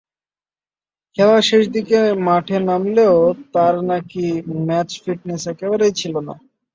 খেলার শেষ দিকে মাঠে নামলেও তাঁর নাকি ম্যাচ-ফিটনেস একেবারেই ছিল না।